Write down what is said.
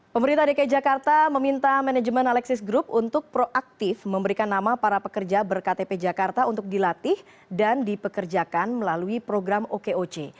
pemerintah dki jakarta meminta manajemen alexis group untuk proaktif memberikan nama para pekerja berktp jakarta untuk dilatih dan dipekerjakan melalui program okoc